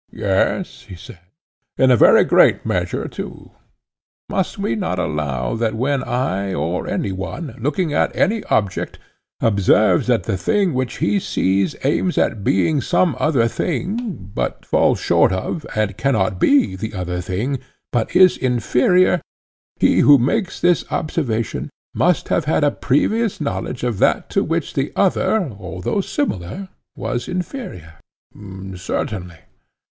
Yes, he said, in a very great measure too. And must we not allow, that when I or any one, looking at any object, observes that the thing which he sees aims at being some other thing, but falls short of, and cannot be, that other thing, but is inferior, he who makes this observation must have had a previous knowledge of that to which the other, although similar, was inferior? Certainly.